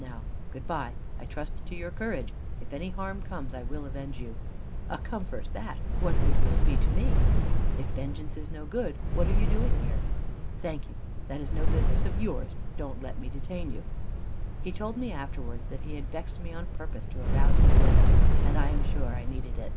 Now, good bye. I trust to your courage. If any harm comes, I will avenge you." "A comfort that! What good will it be to me?" "If vengeance is no good, what are you doing here?" "Thank you. That is no business of yours. Don't let me detain you." He told me afterwards that he had vexed me on purpose to arouse my mettle. And I am sure I needed it.